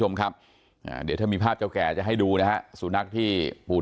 ชมครับเดี๋ยวถ้ามีภาพเจ้าแก่จะให้ดูนะฮะสุนัขที่ปู่